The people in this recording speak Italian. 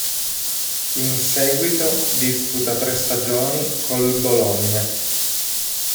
In seguito disputa tre stagioni col Bologna.